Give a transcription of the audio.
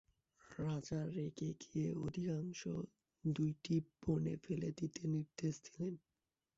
রাজা রেগে গিয়ে অর্ধাংশ দুইটি বনে ফেলে দিতে নির্দেশ দিলেন।